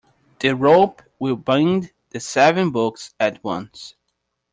The rope will bind the seven books at once.